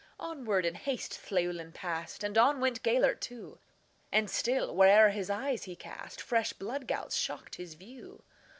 Onward, in haste, Llewelyn passed, And on went Gêlert too; And still, where'er his eyes he cast, Fresh blood gouts shocked his view.